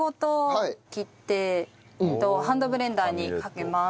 ハンドブレンダーにかけます。